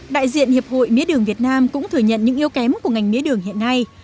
đại diện hiệp hội mía đường việt nam cũng thừa nhận những yếu kém của ngành mía đường hiện nay